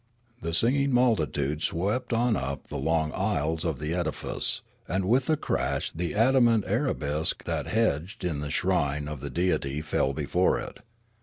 The singing multitude swept on up the long aisles of the edifice, and with a crash the adamant arabesque that hedged in the shrine of the deity fell before it.